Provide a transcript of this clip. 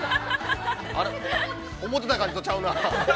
◆あれ、思ってた感じとちゃうな。